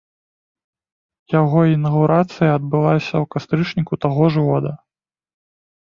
Яго інаўгурацыя адбылася ў кастрычніку таго ж года.